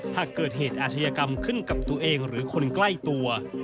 หากเกิดเหตุอาชญากรรมขึ้นกับตัวเองหรือคนใกล้ตัว